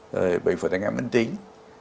rồi bệnh phổ tài ngạc bệnh tính